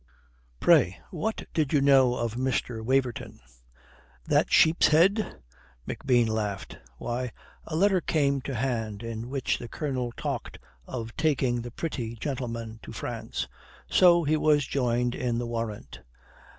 "Pray, what did you know of Mr. Waverton?" "That sheep's head!" McBean laughed. "Why, a letter came to hand in which the Colonel talked of taking the pretty gentleman to France. So he was joined in the warrant.